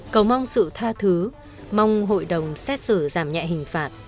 cầu mong sự tha thứ mong hội đồng xét xử giảm nhẹ hình phạt